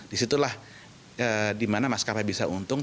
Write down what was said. di situlah dimana maskapai bisa untung